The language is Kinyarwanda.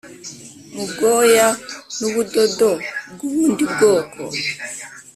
mu bwoya n ubudodo bw ubundi bwoko